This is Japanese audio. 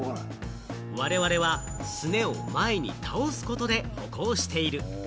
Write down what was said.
我々は、すねを前に倒すことで歩行している。